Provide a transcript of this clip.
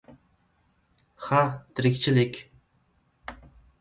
— Ha, tirikchilik.